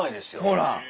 ほら！